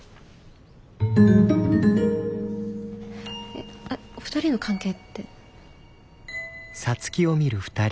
えっあお二人の関係って？